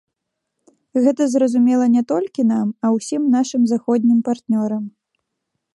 Гэта зразумела не толькі нам, а ўсім нашым заходнім партнёрам.